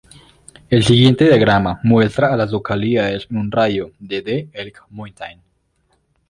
El siguiente diagrama muestra a las localidades en un radio de de Elk Mountain.